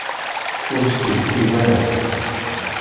Ur stewtiw ara.